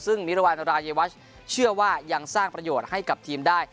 ซึ่งมิรวรรณรายวัชเชื่อว่ายังสร้างประโยชน์ให้กับทีมได้